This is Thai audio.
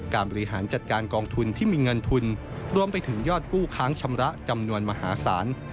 บริหารจัดการกองทุนที่มีเงินทุนรวมไปถึงยอดกู้ค้างชำระจำนวนมหาศาล